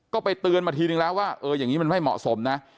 ก็ไปเตือนมาทีนึงแล้วว่าเอออย่างนี้มันไม่เหมาะสมนะ